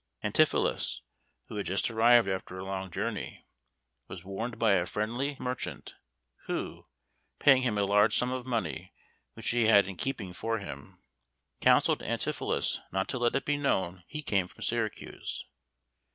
Antipholus, who had just arrived after a long journey, was warned by a friendly merchant, who, paying him a large sum of money which he had in keeping for him, counselled Antipholus not to let it be known he came from Syracuse.